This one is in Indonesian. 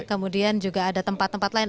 kemudian juga ada tempat tempat lain